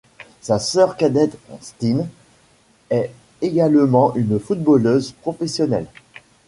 Sa sœur cadette, Stine, est également une footballeuse professionnelle.